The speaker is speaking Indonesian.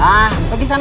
pak man pergi saja